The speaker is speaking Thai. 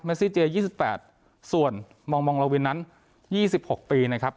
เมสซี่เจย์ยี่สิบแปดส่วนหม่องหม่องละวินนั้นยี่สิบหกปีนะครับ